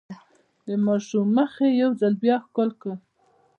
د ماشوم مخ يې يو ځل بيا ښکل کړ.